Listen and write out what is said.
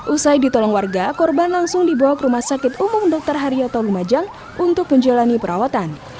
usai ditolong warga korban langsung dibawa ke rumah sakit umum dr haryoto lumajang untuk menjalani perawatan